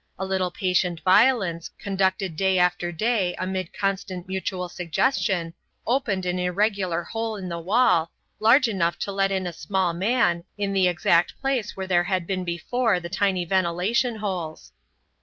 A little patient violence, conducted day after day amid constant mutual suggestion, opened an irregular hole in the wall, large enough to let in a small man, in the exact place where there had been before the tiny ventilation holes.